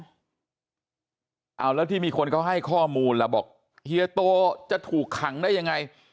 เอาแล้วที่มีคนเขาให้ข้อมูลล่ะบอกเฮียโตจะถูกขังได้ยังไง